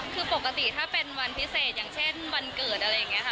คือปกติถ้าเป็นวันพิเศษอย่างเช่นวันเกิดอะไรอย่างนี้ค่ะ